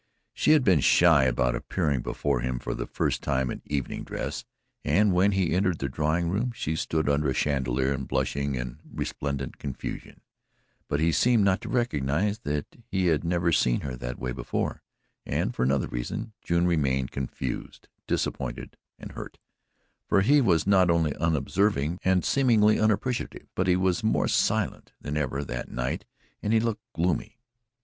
She had been shy about appearing before him for the first time in evening dress, and when he entered the drawing room she stood under a chandelier in blushing and resplendent confusion, but he seemed not to recognize that he had never seen her that way before, and for another reason June remained confused, disappointed and hurt, for he was not only unobserving, and seemingly unappreciative, but he was more silent than ever that night and he looked gloomy.